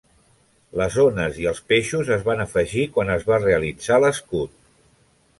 Les ones i els peixos es van afegir quan es va realitzar l'escut.